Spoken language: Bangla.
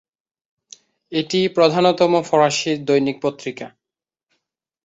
এটি প্রধানতম ফরাসি দৈনিক পত্রিকা।